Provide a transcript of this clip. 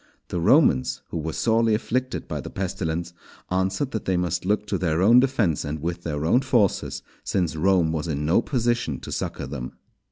The Romans, who were sorely afflicted by the pestilence, answered that they must look to their own defence, and with their own forces, since Rome was in no position to succour them.